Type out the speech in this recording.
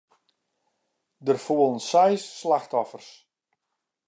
Der foelen seis slachtoffers.